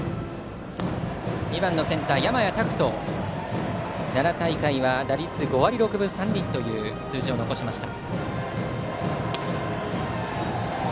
２番のセンター、山家拓人は奈良大会は打率５割６分３厘の数字を残しました。